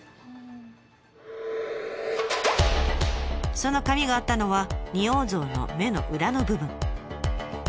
その紙があったのは仁王像の目の裏の部分。